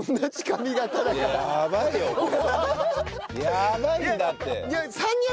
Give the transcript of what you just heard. やばいんだって。